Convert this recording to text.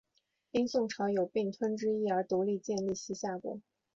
因宋朝有并吞之意而独立建立西夏国。